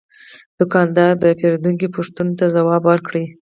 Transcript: دوکاندار د پیرودونکي پوښتنو ته ځواب ورکړ.